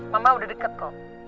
mama udah deket kok